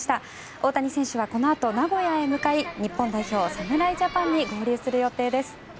大谷選手はこのあと名古屋へ向かい日本代表、侍ジャパンに合流する予定です。